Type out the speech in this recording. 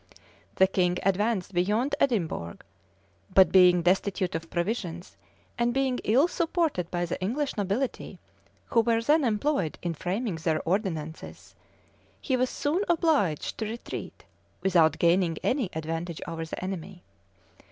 The king advanced beyond Edinburgh; but being destitute of provisions, and being ill supported by the English nobility, who were then employed in framing their ordinances, he was soon obliged to retreat, without gaining any advantage over the enemy.